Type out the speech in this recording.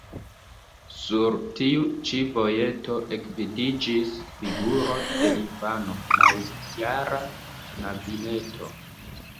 Sur tiu ĉi vojeto ekvidiĝis figuro de infano, naŭjara knabineto.